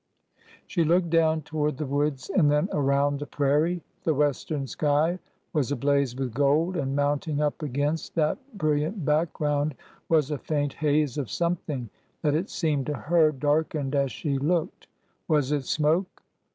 She looked down toward the woods and then around the prairie. The western sky was ablaze with gold, and mounting up against that brilliant background was a faint haze of something that it seemed to her darkened as she looked. Was it smoke?